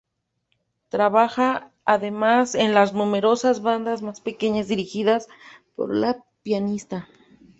Trabajaría además en las numerosas bandas más pequeñas dirigidas por el pianista.